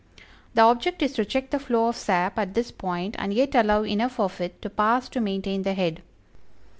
The object is to check the flow of sap at this point and yet allow enough of it to pass to maintain the head.